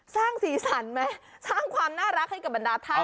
สร้างสีสันไหมสร้างความน่ารักให้กับบรรดาท่าน